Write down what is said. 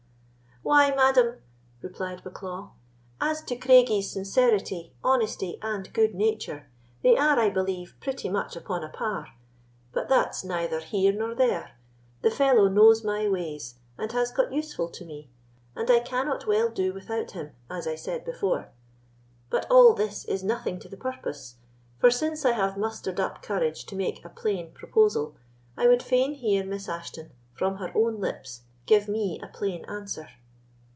"Why, madam," replied Bucklaw, "as to Craigie's sincerity, honesty, and good nature, they are, I believe, pretty much upon a par; but that's neither here nor there—the fellow knows my ways, and has got useful to me, and I cannot well do without him, as I said before. But all this is nothing to the purpose; for since I have mustered up courage to make a plain proposal, I would fain hear Miss Ashton, from her own lips, give me a plain answer."